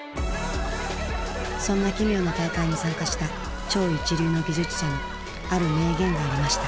そんな奇妙な大会に参加した超一流の技術者のある名言がありました。